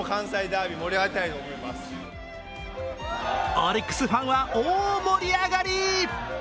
オリックスファンは大盛り上がり。